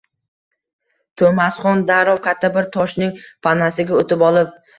To’masxon darrov katta bir toshning panasiga o’tib olib